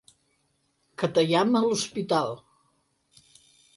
Katayama a l'Hospital...